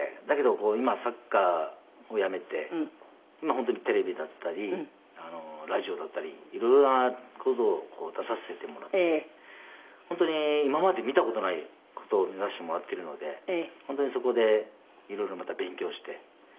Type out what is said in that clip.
だけど今サッカーをやめて本当にテレビだったりラジオだったりいろいろな事をこう出させてもらって本当に今まで見た事ない事を見させてもらってるので本当にそこでいろいろまた勉強して。